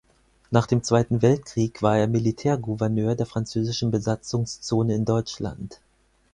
Nach dem Zweiten Weltkrieg war er Militärgouverneur der französischen Besatzungszone in Deutschland.